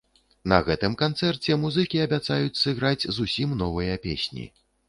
На гэтым канцэрце музыкі абяцаюць сыграць зусім новыя песні.